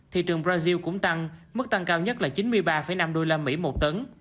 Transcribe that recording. thị trường brazil cũng tăng mức tăng cao nhất là chín mươi ba năm usd một tấn